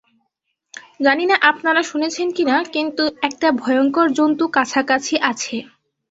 জানি না আপনারা শুনেছেন কিনা, কিন্তু একটা ভয়ংকর জন্তু কাছাকাছি আছে।